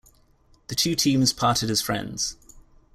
The two teams parted as friends.